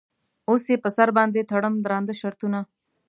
اوس یې په سر باندې تړم درانده شرطونه.